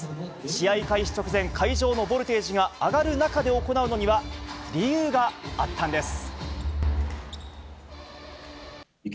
試合開始直前、会場のボルテージが上がる中で行うのには、理由があったんです。